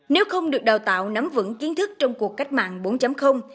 nếu không được đào tạo nắm vững kiến thức trong cuộc cách mạng bốn